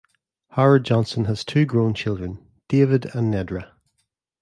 Howard Johnson has two grown children, David and Nedra.